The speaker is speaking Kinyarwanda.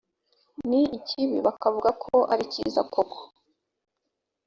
n ikibi bakavuga ko ari cyiza koko